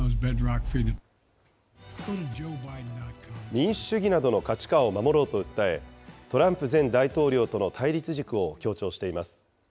民主主義などの価値観を守ろうと訴え、トランプ前大統領との対立軸を強調しています。